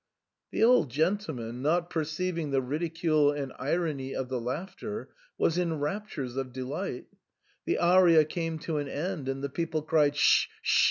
" The old gentleman, not perceiving the ridicule and irony of the laughter, was in raptures of delight The aria came to an end, and the people cried " Sh ! sh